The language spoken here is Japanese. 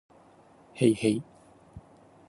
へいへい